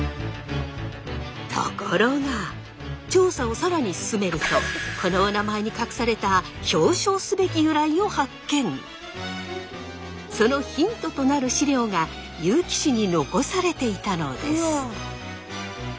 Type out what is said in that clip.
ところが調査を更に進めるとこのお名前に隠されたそのヒントとなる史料が結城市に残されていたのです。